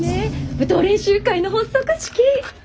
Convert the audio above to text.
舞踏練習会の発足式！